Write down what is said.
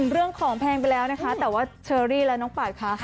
เรื่องของแพงไปแล้วนะคะแต่ว่าเชอรี่และน้องปาดค่ะ